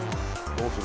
どうする？